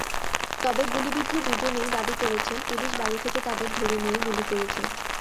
তবে গুলিবিদ্ধ দুজনই দাবি করেছেন, পুলিশ বাড়ি থেকে তাঁদের ধরে নিয়ে গুলি করেছে।